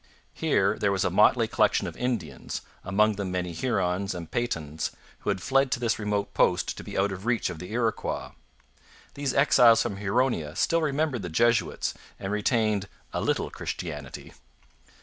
Here there was a motley collection of Indians, among them many Hurons and Petuns, who had fled to this remote post to be out of reach of the Iroquois. These exiles from Huronia still remembered the Jesuits and retained 'a little Christianity.'